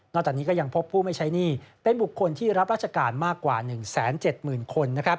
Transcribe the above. ตอนนี้ก็ยังพบผู้ไม่ใช้หนี้เป็นบุคคลที่รับราชการมากกว่า๑๗๐๐๐คน